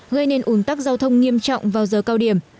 gây nên ủn tắc giao thông nghiêm trọng vào giờ cao điểm